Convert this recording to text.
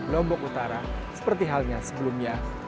lombok utara seperti halnya sebelumnya